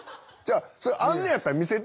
あんねやったら見せて。